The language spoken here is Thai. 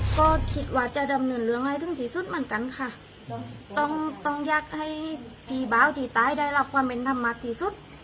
ก็คิดว่าจะดำเนินเรื่องให้ถึงที่สุดเหมือนกันค่ะต้องต้องอยากให้พี่เบาที่ตายได้รับความเป็นธรรมมากที่สุด